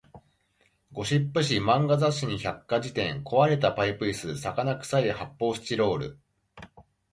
ゴシップ誌、漫画雑誌に百科事典、壊れたパイプ椅子、魚臭い発砲スチロール